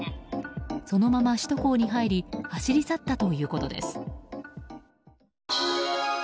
そのまま首都高に入り走り去ったということです。